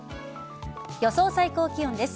予想最高気温です。